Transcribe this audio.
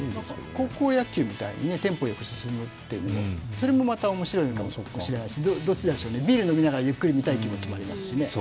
高校野球みたいにテンポよく進むというそれもまた面白いのかもしれないですが、どっちでしょうね、ビール飲みながらゆっくり見たい気もしますしね。